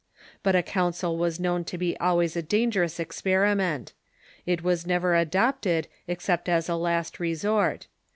But a council was known to be always Council of Trent .•' a dangerous experiment. It was never adopted except as a last resort.